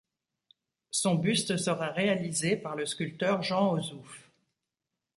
Son buste sera réalisé par le sculpteur Jean Osouf.